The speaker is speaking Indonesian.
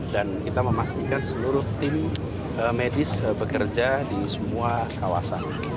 dan kita memastikan seluruh tim medis bekerja di semua kawasan